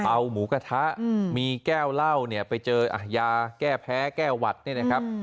เปล่าหมูกระทะมีแก้วเหล้าไปเจอยาแก้แพ้แก้วัดนี่นะครับ